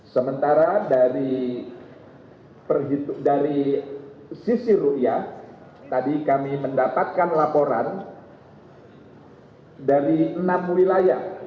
sementara dari sisi ⁇ ruyah tadi kami mendapatkan laporan dari enam wilayah